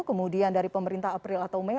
kemudian dari pemerintah april atau mei